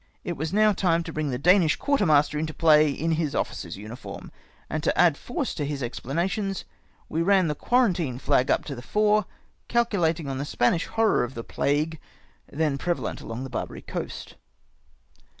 It was now time to brino; the Danish quartermaster into play in his officer's uniform ; and to add force to his explanations, we ran the quarantine flag up to the fore, calculating on the Spanish horror of the plague, then prevalent along the Barbary coast.